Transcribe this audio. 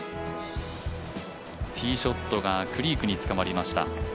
ティーショットがクリークに捕まりました。